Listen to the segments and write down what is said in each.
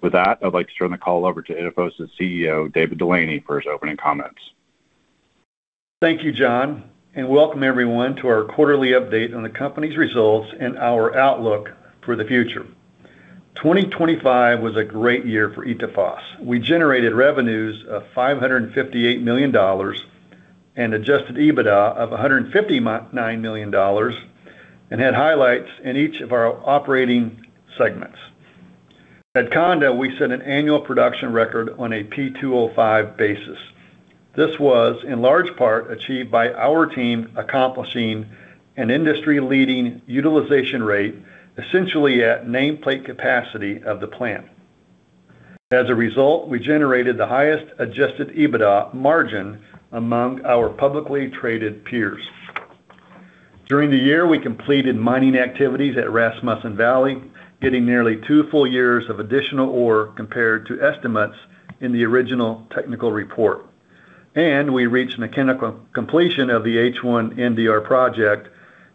With that, I'd like to turn the call over to Itafos' CEO, David Delaney, for his opening comments. Thank you, John, and welcome everyone to our quarterly update on the company's results and our outlook for the future. 2025 was a great year for Itafos. We generated revenues of $558 million and Adjusted EBITDA of $159 million and had highlights in each of our operating segments. At Conda, we set an annual production record on a P2O5 basis. This was, in large part, achieved by our team accomplishing an industry-leading utilization rate essentially at nameplate capacity of the plant. As a result, we generated the highest Adjusted EBITDA margin among our publicly traded peers. During the year, we completed mining activities at Rasmussen Valley, getting nearly two full years of additional ore compared to estimates in the original technical report. We reached mechanical completion of the H1/NDR project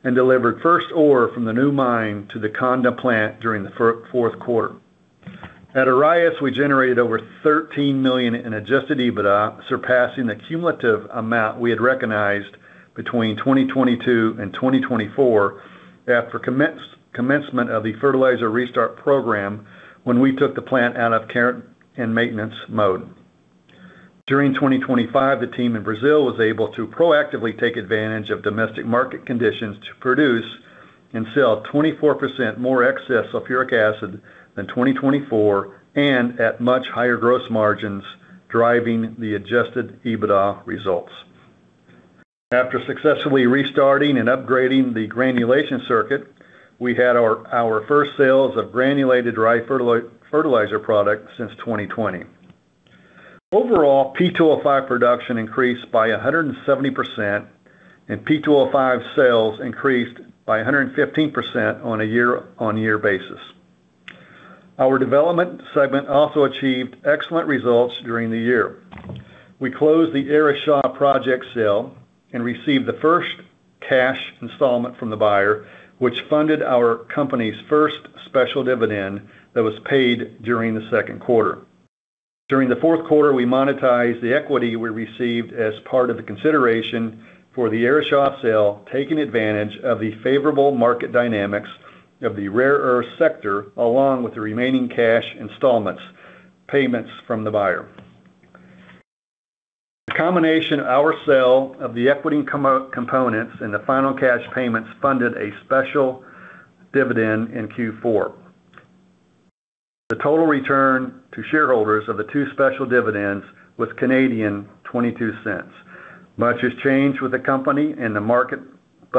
and delivered first ore from the new mine to the Conda plant during the fourth quarter. At Arraias, we generated over $13 million in Adjusted EBITDA, surpassing the cumulative amount we had recognized between 2022 and 2024 after commencement of the fertilizer restart program when we took the plant out of care and maintenance mode. During 2025, the team in Brazil was able to proactively take advantage of domestic market conditions to produce and sell 24% more excess sulfuric acid than 2024 and at much higher gross margins, driving the Adjusted EBITDA results. After successfully restarting and upgrading the granulation circuit, we had our first sales of granulated dry fertilizer products since 2020. Overall, P2O5 production increased by 170%, and P2O5 sales increased by 115% on a year-on-year basis. Our development segment also achieved excellent results during the year. We closed the Araxá project sale and received the first cash installment from the buyer, which funded our company's first special dividend that was paid during the second quarter. During the fourth quarter, we monetized the equity we received as part of the consideration for the Araxá sale, taking advantage of the favorable market dynamics of the rare earth sector, along with the remaining cash installments, payments from the buyer. The combination of our sale of the equity components and the final cash payments funded a special dividend in Q4. The total return to shareholders of the two special dividends was 0.22. Much has changed with the company and the market,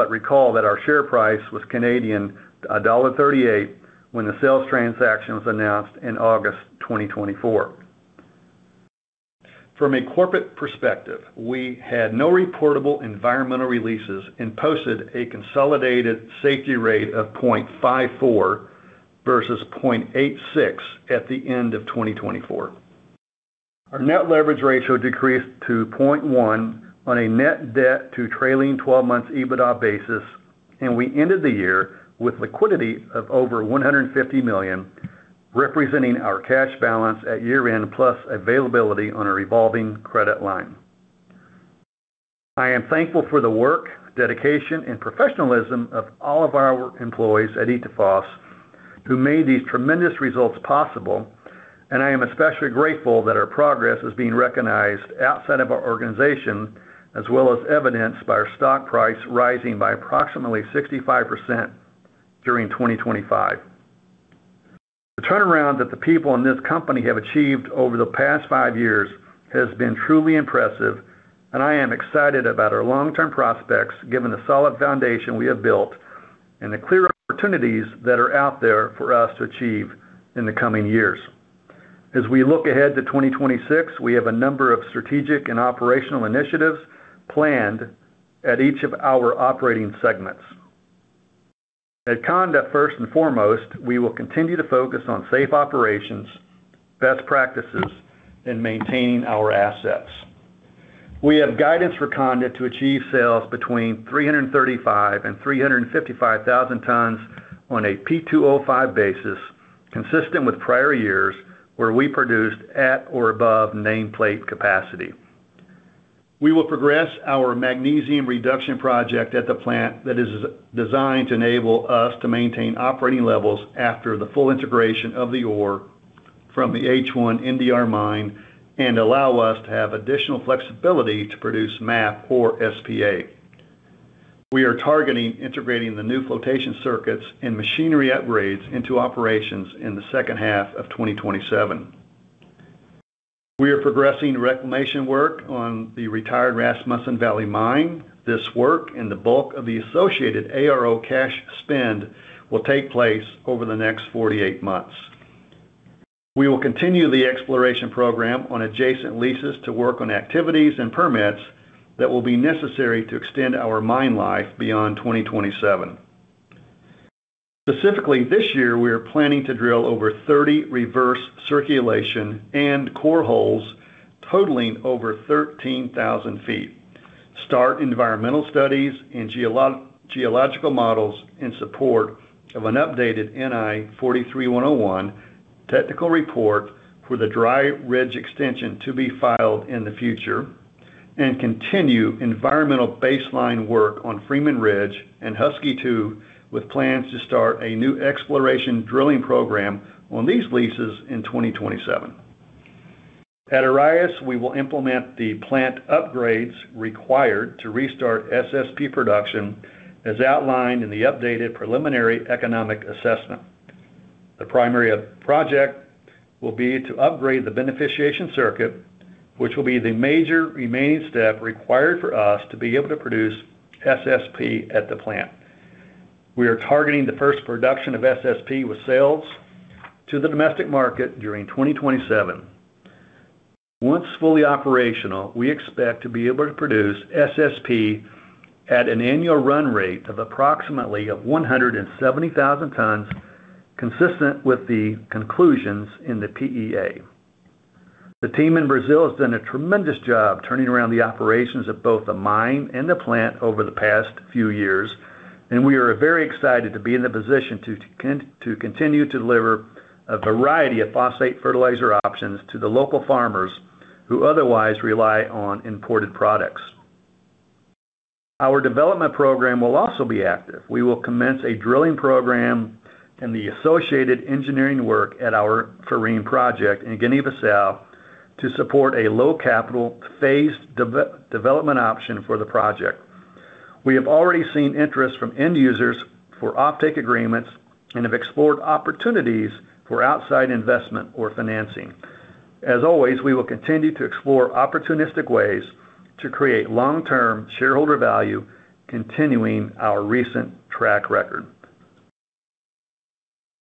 recall that our share price was 1.38 Canadian dollars when the sales transaction was announced in August 2024. From a corporate perspective, we had no reportable environmental releases and posted a consolidated safety rate of 0.54 versus 0.86 at the end of 2024. Our net leverage ratio decreased to 0.1 on a net debt to trailing 12 months EBITDA basis, and we ended the year with liquidity of over $150 million, representing our cash balance at year-end plus availability on a revolving credit line. I am thankful for the work, dedication, and professionalism of all of our employees at Itafos who made these tremendous results possible, and I am especially grateful that our progress is being recognized outside of our organization, as well as evidenced by our stock price rising by approximately 65% during 2025. The turnaround that the people in this company have achieved over the past five years has been truly impressive, and I am excited about our long-term prospects, given the solid foundation we have built and the clear opportunities that are out there for us to achieve in the coming years. As we look ahead to 2026, we have a number of strategic and operational initiatives planned at each of our operating segments. At Conda, first and foremost, we will continue to focus on safe operations, best practices, and maintaining our assets. We have guidance for Conda to achieve sales between 335 and 355,000 tons on a P2O5 basis, consistent with prior years where we produced at or above nameplate capacity. We will progress our magnesium reduction project at the plant that is designed to enable us to maintain operating levels after the full integration of the ore from the H1/NDR mine and allow us to have additional flexibility to produce MAP or SPA. We are targeting integrating the new flotation circuits and machinery upgrades into operations in the second half of 2027. We are progressing reclamation work on the retired Rasmussen Valley mine. This work and the bulk of the associated ARO cash spend will take place over the next 48 months. We will continue the exploration program on adjacent leases to work on activities and permits that will be necessary to extend our mine life beyond 2027. Specifically, this year, we are planning to drill over 30 reverse circulation and core holes totaling over 13,000ft. Start environmental studies and geological models in support of an updated NI 43-101 technical report for the Dry Ridge extension to be filed in the future. Continue environmental baseline work on Freeman Ridge and Husky 2, with plans to start a new exploration drilling program on these leases in 2027. At Arraias, we will implement the plant upgrades required to restart SSP production as outlined in the updated preliminary economic assessment. The primary of project will be to upgrade the beneficiation circuit, which will be the major remaining step required for us to be able to produce SSP at the plant. We are targeting the first production of SSP with sales to the domestic market during 2027. Once fully operational, we expect to be able to produce SSP at an annual run rate of approximately of 170,000 tons, consistent with the conclusions in the PEA. The team in Brazil has done a tremendous job turning around the operations of both the mine and the plant over the past few years, and we are very excited to be in the position to continue to deliver a variety of phosphate fertilizer options to the local farmers who otherwise rely on imported products. Our development program will also be active. We will commence a drilling program and the associated engineering work at our Farim project in Guinea-Bissau to support a low capital phased development option for the project. We have already seen interest from end users for offtake agreements and have explored opportunities for outside investment or financing. As always, we will continue to explore opportunistic ways to create long-term shareholder value, continuing our recent track record.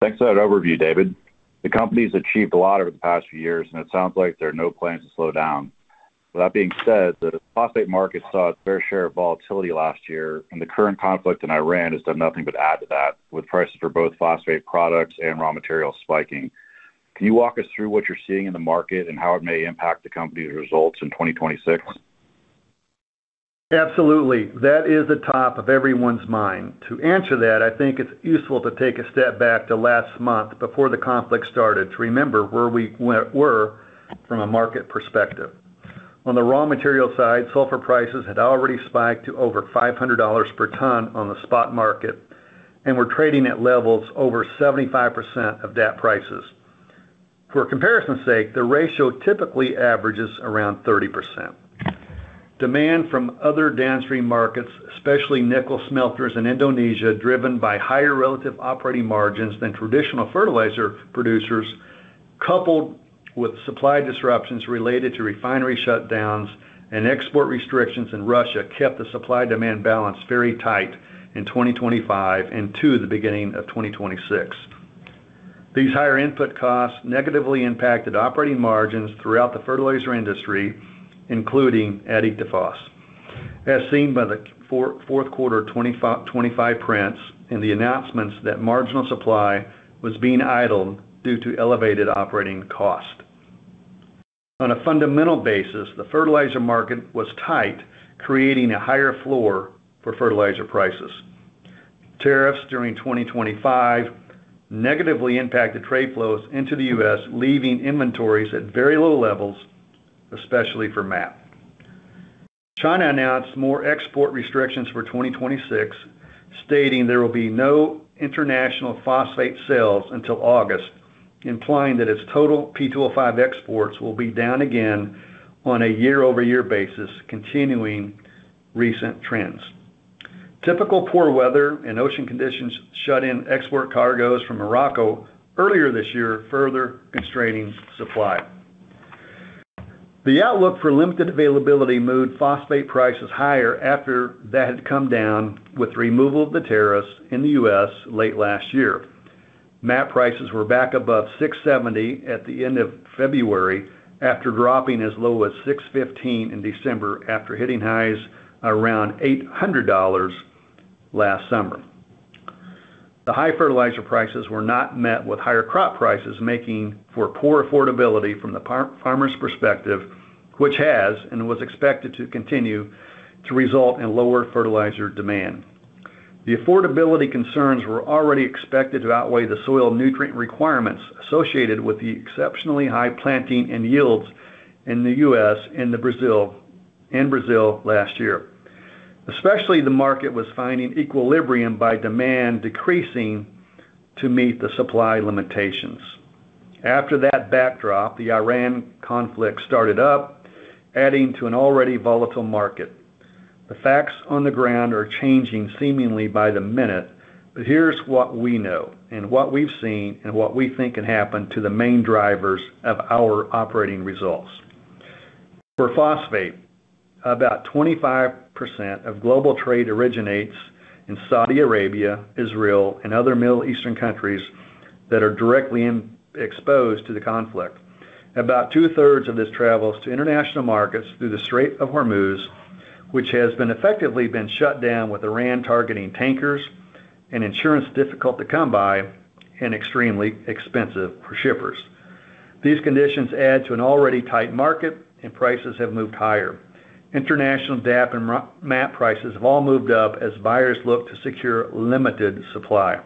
Thanks for that overview, David. The company's achieved a lot over the past few years, it sounds like there are no plans to slow down. With that being said, the phosphate market saw its fair share of volatility last year, the current conflict in Iran has done nothing but add to that, with prices for both phosphate products and raw materials spiking. Can you walk us through what you're seeing in the market and how it may impact the company's results in 2026? Absolutely. That is at the top of everyone's mind. To answer that, I think it's useful to take a step back to last month before the conflict started to remember where we were from a market perspective. On the raw material side, sulfur prices had already spiked to over $500 per ton on the spot market and were trading at levels over 75% of that prices. For comparison's sake, the ratio typically averages around 30%. Demand from other downstream markets, especially nickel smelters in Indonesia, driven by higher relative operating margins than traditional fertilizer producers, coupled with supply disruptions related to refinery shutdowns and export restrictions in Russia, kept the supply-demand balance very tight in 2025 and to the beginning of 2026. These higher input costs negatively impacted operating margins throughout the fertilizer industry, including at Itafos, as seen by the fourth quarter 2025 prints and the announcements that marginal supply was being idled due to elevated operating cost. On a fundamental basis, the fertilizer market was tight, creating a higher floor for fertilizer prices. Tariffs during 2025 negatively impacted trade flows into the U.S., leaving inventories at very low levels, especially for MAP. China announced more export restrictions for 2026, stating there will be no international phosphate sales until August, implying that its total P2O5 exports will be down again on a year-over-year basis, continuing recent trends. Typical poor weather and ocean conditions shut in export cargoes from Morocco earlier this year, further constraining supply. The outlook for limited availability moved phosphate prices higher after that had come down with removal of the tariffs in the U.S. late last year. MAP prices were back above $670 at the end of February after dropping as low as $615 in December after hitting highs around $800 last summer. The high fertilizer prices were not met with higher crop prices, making for poor affordability from the farmer's perspective, which has and was expected to continue to result in lower fertilizer demand. The affordability concerns were already expected to outweigh the soil nutrient requirements associated with the exceptionally high planting and yields in the U.S. and Brazil last year. The market was finding equilibrium by demand decreasing to meet the supply limitations. That backdrop, the Iran conflict started up, adding to an already volatile market. The facts on the ground are changing seemingly by the minute, but here's what we know and what we've seen and what we think can happen to the main drivers of our operating results. Phosphate, about 25% of global trade originates in Saudi Arabia, Israel, and other Middle Eastern countries that are directly exposed to the conflict. About 2/3 of this travels to international markets through the Strait of Hormuz, which has been effectively been shut down with Iran targeting tankers and insurance difficult to come by and extremely expensive for shippers. These conditions add to an already tight market, prices have moved higher. International DAP and MAP prices have all moved up as buyers look to secure limited supply.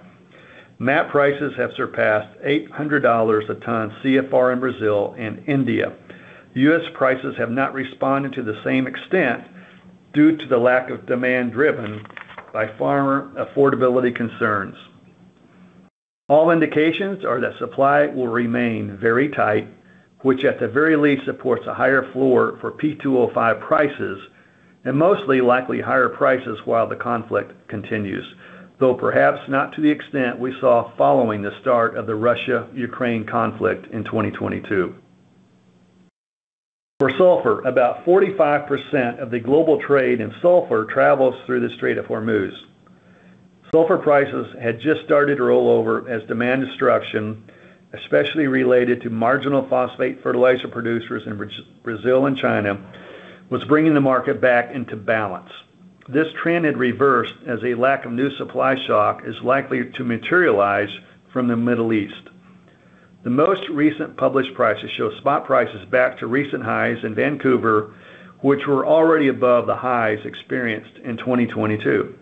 MAP prices have surpassed $800 a ton CFR in Brazil and India. U.S. prices have not responded to the same extent due to the lack of demand driven by farmer affordability concerns. All indications are that supply will remain very tight, which at the very least supports a higher floor for P2O5 prices and mostly likely higher prices while the conflict continues, though perhaps not to the extent we saw following the start of the Russia-Ukraine conflict in 2022. For sulfur, about 45% of the global trade in sulfur travels through the Strait of Hormuz. Sulfur prices had just started to roll over as demand destruction, especially related to marginal phosphate fertilizer producers in Brazil and China, was bringing the market back into balance. This trend had reversed as a lack of new supply shock is likely to materialize from the Middle East. The most recent published prices show spot prices back to recent highs in Vancouver, which were already above the highs experienced in 2022.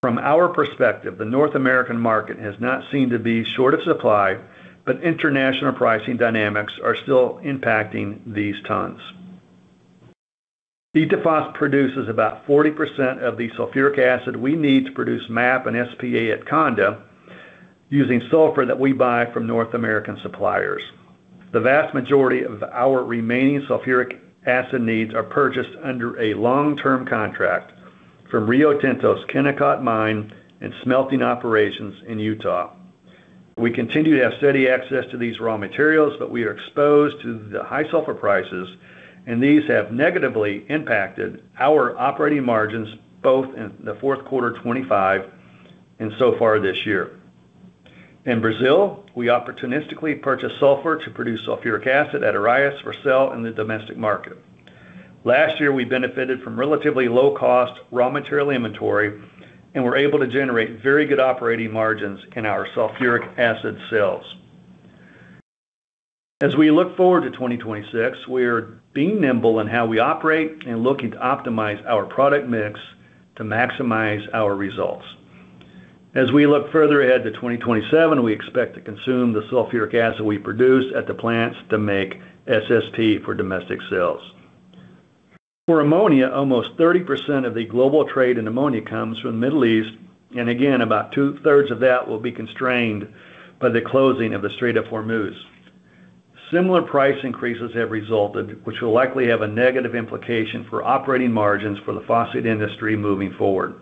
From our perspective, the North American market has not seemed to be short of supply, but international pricing dynamics are still impacting these tons. Itafos produces about 40% of the sulfuric acid we need to produce MAP and SPA at Conda using sulfur that we buy from North American suppliers. The vast majority of our remaining sulfuric acid needs are purchased under a long-term contract from Rio Tinto's Kennecott mine and smelting operations in Utah. We continue to have steady access to these raw materials, but we are exposed to the high sulfur prices. These have negatively impacted our operating margins, both in the fourth quarter 2025 and so far this year. In Brazil, we opportunistically purchase sulfur to produce sulfuric acid at Arraias for sale in the domestic market. Last year, we benefited from relatively low cost raw material inventory, and were able to generate very good operating margins in our sulfuric acid sales. As we look forward to 2026, we are being nimble in how we operate and looking to optimize our product mix to maximize our results. As we look further ahead to 2027, we expect to consume the sulfuric acid we produce at the plants to make SSP for domestic sales. For ammonia, almost 30% of the global trade in ammonia comes from the Middle East, and about 2/3 of that will be constrained by the closing of the Strait of Hormuz. Similar price increases have resulted, which will likely have a negative implication for operating margins for the phosphate industry moving forward.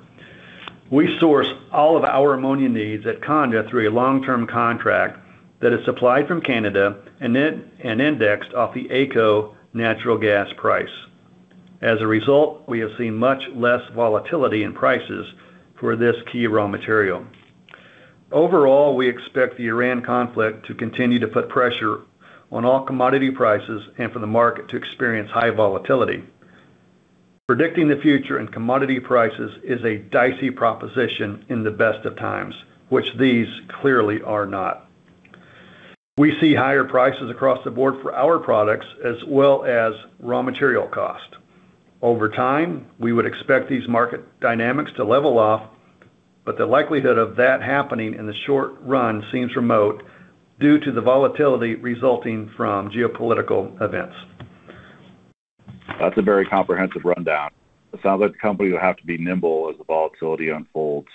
We source all of our ammonia needs at Conda through a long-term contract that is supplied from Canada and indexed off the AECO natural gas price. As a result, we have seen much less volatility in prices for this key raw material. Overall, we expect the Iran conflict to continue to put pressure on all commodity prices and for the market to experience high volatility. Predicting the future in commodity prices is a dicey proposition in the best of times, which these clearly are not. We see higher prices across the board for our products as well as raw material cost. Over time, we would expect these market dynamics to level off, but the likelihood of that happening in the short run seems remote due to the volatility resulting from geopolitical events. That's a very comprehensive rundown. It sounds like the company will have to be nimble as the volatility unfolds.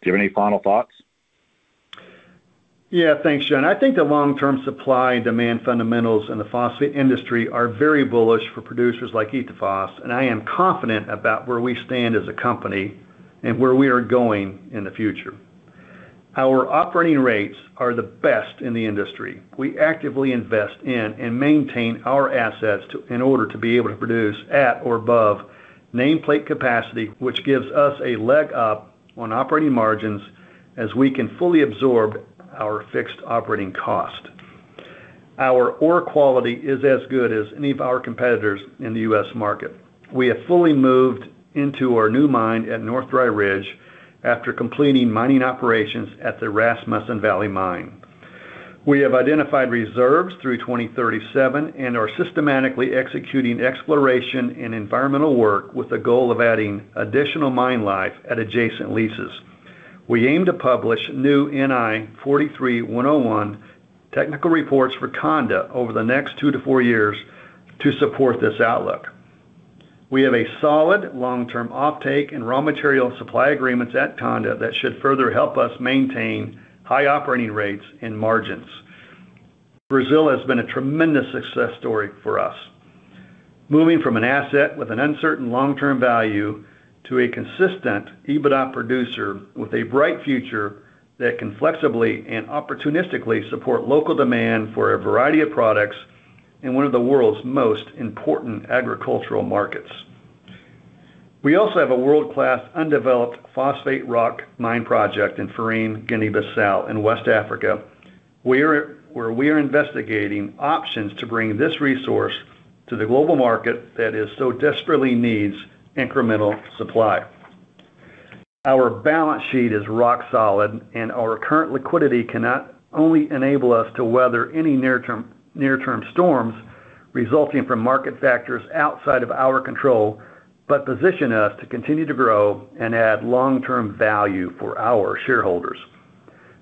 Do you have any final thoughts? Yeah. Thanks,[John]. I think the long-term supply and demand fundamentals in the phosphate industry are very bullish for producers like Itafos, and I am confident about where we stand as a company and where we are going in the future. Our operating rates are the best in the industry. We actively invest in and maintain our assets in order to be able to produce at or above nameplate capacity, which gives us a leg up on operating margins as we can fully absorb our fixed operating cost. Our ore quality is as good as any of our competitors in the U.S. market. We have fully moved into our new mine at North Dry Ridge after completing mining operations at the Rasmussen Valley Mine. We have identified reserves through 2037 and are systematically executing exploration and environmental work with the goal of adding additional mine life at adjacent leases. We aim to publish new NI 43-101 technical reports for Conda over the next two to four years to support this outlook. We have a solid long-term offtake and raw material supply agreements at Conda that should further help us maintain high operating rates and margins. Brazil has been a tremendous success story for us. Moving from an asset with an uncertain long-term value to a consistent EBITDA producer with a bright future that can flexibly and opportunistically support local demand for a variety of products in one of the world's most important agricultural markets. We also have a world-class undeveloped phosphate rock mine project in Farim, Guinea-Bissau in West Africa. where we are investigating options to bring this resource to the global market that is so desperately needs incremental supply. Our balance sheet is rock solid, our current liquidity cannot only enable us to weather any near-term storms resulting from market factors outside of our control, but position us to continue to grow and add long-term value for our shareholders.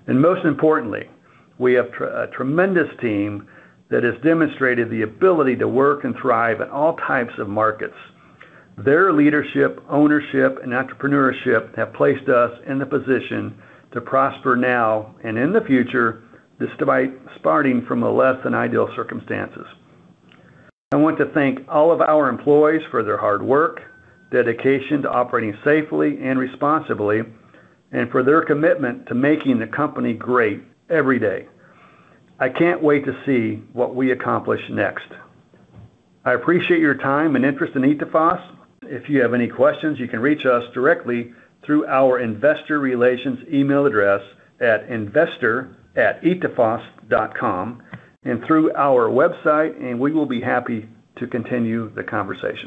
Most importantly, we have a tremendous team that has demonstrated the ability to work and thrive in all types of markets. Their leadership, ownership, and entrepreneurship have placed us in the position to prosper now and in the future, despite starting from a less than ideal circumstances. I want to thank all of our employees for their hard work, dedication to operating safely and responsibly, and for their commitment to making the company great every day. I can't wait to see what we accomplish next. I appreciate your time and interest in Itafos. If you have any questions, you can reach us directly through our investor relations email address at investor@itafos.com and through our website, and we will be happy to continue the conversation.